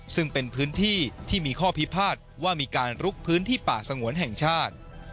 ซึ่งเป็นพื้นที่ที่มีข้อพิพาทว่ามีการลุกพื้นที่ป่าสงวนแห่งชาติ